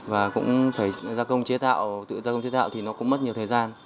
và cũng phải gia công chế tạo tự gia công chế tạo thì nó cũng mất nhiều thời gian